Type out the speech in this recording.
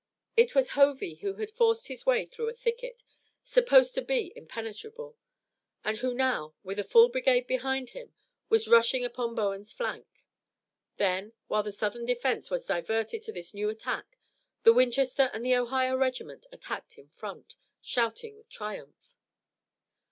It was Hovey who had forced his way through a thicket, supposed to be impenetrable, and who now, with a full brigade behind him, was rushing upon Bowen's flank. Then, while the Southern defense was diverted to this new attack, the Winchester and the Ohio regiment attacked in front, shouting with triumph.